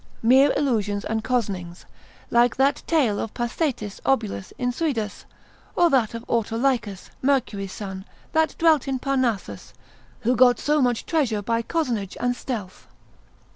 4, mere illusions and cozenings, like that tale of Pasetis obulus in Suidas, or that of Autolicus, Mercury's son, that dwelt in Parnassus, who got so much treasure by cozenage and stealth.